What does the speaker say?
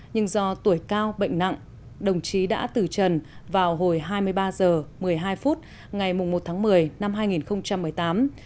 nhưng do tuổi cao bệnh nặng đồng chí đã tử trần vào hồi hai mươi ba h một mươi hai phút ngày một tháng một mươi năm hai nghìn một mươi tám